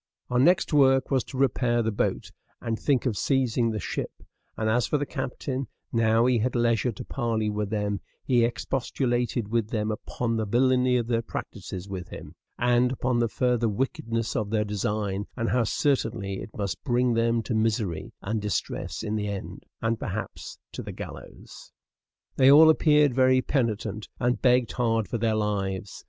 Our next work was to repair the boat, and think of seizing the ship; and as for the captain, now he had leisure to parley with them, he expostulated with them upon the villany of their practices with him, and upon the further wickedness of their design, and how certainly it must bring them to misery and distress in the end, and perhaps to the gallows. They all appeared very penitent, and begged hard for their lives.